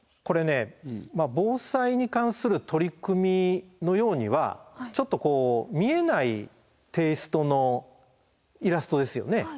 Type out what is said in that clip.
これね防災に関する取り組みのようにはちょっとこう見えないテイストのイラストですよね。